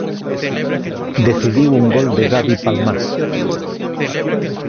Decidiu un gol de Gabi Palmás.